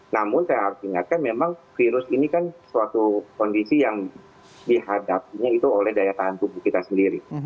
namun saya harus ingatkan memang virus ini kan suatu kondisi yang dihadapinya itu oleh daya tahan tubuh kita sendiri